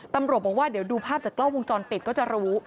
ตำรวจบอกว่าเดี๋ยวดูภาพจากกล้องวงจรปิดก็จะรู้